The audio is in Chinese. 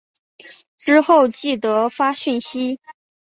之后记得发讯息